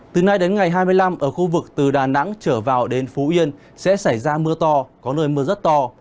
từ nay đến ngày hai mươi năm ở khu vực từ đà nẵng trở vào đến phú yên sẽ xảy ra mưa to có nơi mưa rất to